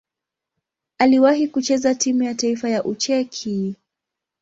Aliwahi kucheza timu ya taifa ya Ucheki.